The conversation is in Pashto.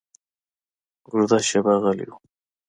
اوږده شېبه غلی و.